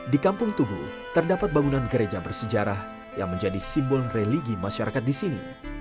di kampung tugu terdapat bangunan gereja bersejarah yang menjadi simbol religi masyarakat di sini